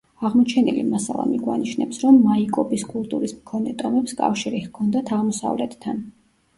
აღმოჩენილი მასალა მიგვანიშნებს, რომ მაიკოპის კულტურის მქონე ტომებს კავშირი ჰქონდათ აღმოსავლეთთან.